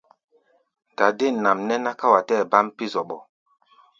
Dadên nʼam nɛ́ ná ká wa tɛɛ́ baʼm pí̧ zɔɓɔ.